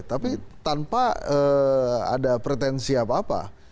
tapi tanpa ada pretensi apa apa